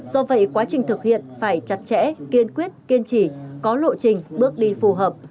do vậy quá trình thực hiện phải chặt chẽ kiên quyết kiên trì có lộ trình bước đi phù hợp